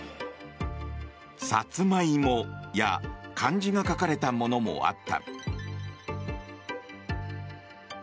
サツマイモや漢字が書かれたものもあった。